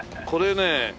これね